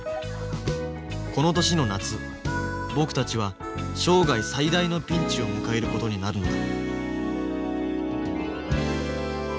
この年の夏僕たちは生涯最大のピンチを迎えることになるのだ